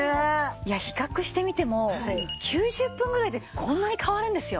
いや比較してみても９０分ぐらいでこんなに変わるんですよ。